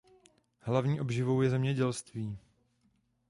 Hlavní obživou je zemědělství.